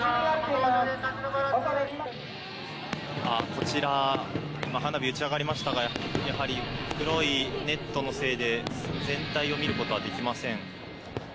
こちら今花火打ち上がりましたがやっぱり黒いネットのせいで全体を見ることはできません。